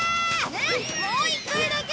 ねえもう一回だけ！